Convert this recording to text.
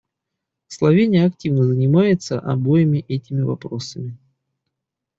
Словения активно занимается обоими этими вопросами.